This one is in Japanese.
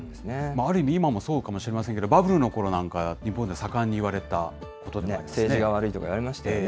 ある意味、今もそうかもしれませんけれども、バブルのころなんか、日本でさかんにいわれたことでもありますよね。